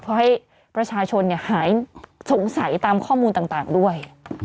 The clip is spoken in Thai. เพราะให้ประชาชนหายสงสัยตามข้อมูลต่างด้วย